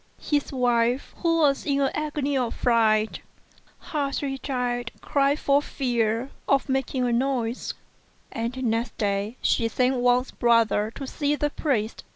His wife, who was in an agony of fright, hardly dared cry for fear of making a noise; and next day she sent Wang's brother to see the priest.